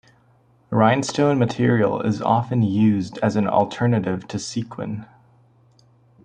Rhinestone material is often used as an alternative to sequin.